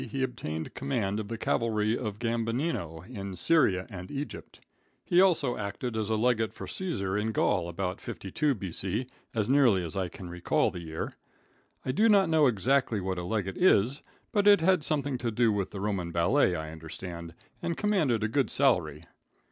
he obtained command of the cavalry of Gambinino in Syria and Egypt. He also acted as legate for Caesar in Gaul about 52 B.C., as nearly as I can recall the year. I do not know exactly what a legate is, but it had something to do with the Roman ballet, I understand, and commanded a good salary.